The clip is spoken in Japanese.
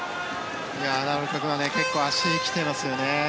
奈良岡君は結構足にきていますよね。